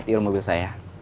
di rumah mobil saya